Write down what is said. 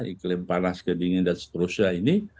iklim panas kedingin dan seterusnya ini